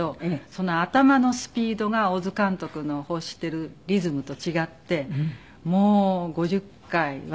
その頭のスピードが小津監督の欲しているリズムと違ってもう５０回はやりました